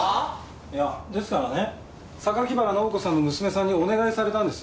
いやですからね榊原直子さんの娘さんにお願いされたんです。